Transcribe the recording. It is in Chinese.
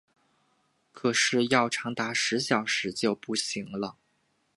可是要长达十小时就不行了